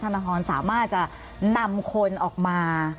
ธนทรสามารถจะนำคนออกมา